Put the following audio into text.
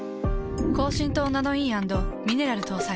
高浸透ナノイー＆ミネラル搭載。